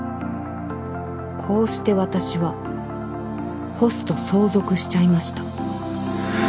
こうして私はホスト相続しちゃいました。